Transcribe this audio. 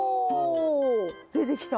出てきた。